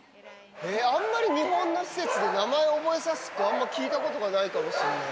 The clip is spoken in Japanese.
あんまり日本の施設で名前覚えさすとこ、あんま聞いたことがないかもしれない。